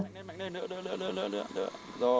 mạnh lên mạnh lên đỡ đỡ đỡ đỡ đỡ